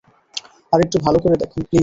আরেকটু ভালো করে দেখুন, প্লিজ।